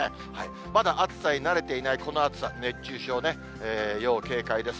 まだ暑さに慣れていないこの暑さ、熱中症に要警戒です。